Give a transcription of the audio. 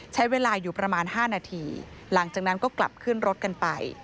ใช้เวลาอยู่ประมาณ๕นาทีหลังจากนั้นก็กลับขึ้นรถกันไป